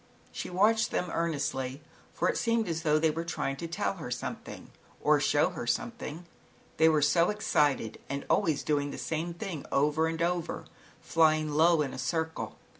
^Jr ^ She watched them earnestly, for it seemed as though they were trying to tell her something, or show her something, they were so excited, and always doing the same thing over and over, flying low, in a circle.